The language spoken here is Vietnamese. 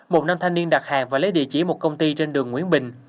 một nam thanh niên đặt hàng và lấy địa chỉ một công ty trên đường nguyễn bình